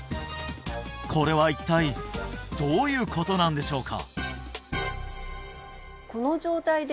これは一体どういうことなんでしょうか？